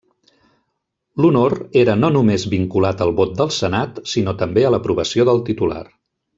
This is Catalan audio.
L'honor era no només vinculat al vot del Senat, sinó també a l'aprovació del titular.